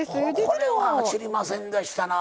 これは知りませんでしたな。